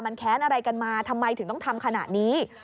แค้นอะไรกันมาทำไมถึงต้องทำขนาดนี้